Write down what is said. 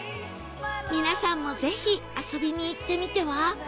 皆さんもぜひ遊びに行ってみては？